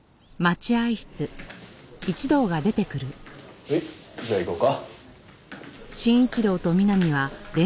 はいじゃあ行こうか。